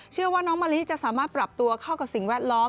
เชื่อว่าน้องมะลิจะสามารถปรับตัวเข้ากับสิ่งแวดล้อม